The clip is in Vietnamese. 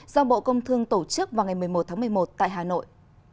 do bộ công thương tổ chức vào ngày một mươi một tháng một mươi một tại hà nội